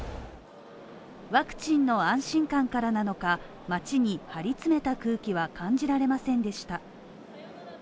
ワクチンの安心感からなのか、街に張り詰めた空気は感じられませんでした。